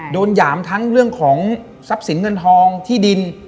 หยามทั้งเรื่องของทรัพย์สินเงินทองที่ดิน